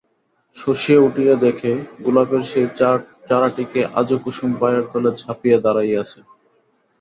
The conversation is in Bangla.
শশী উঠিয়া দ্যাখে গোলাপের সেই চারাটিকে আজও কুসুম পায়ের তলে চাপিয়া দাড়াইয়াছে।